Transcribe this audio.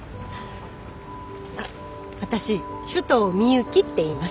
あっ私首藤ミユキっていいます。